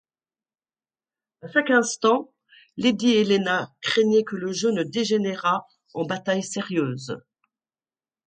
À chaque instant, lady Helena craignait que le jeu ne dégénérât en bataille sérieuse.